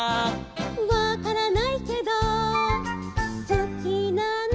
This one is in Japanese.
「わからないけどすきなんだ」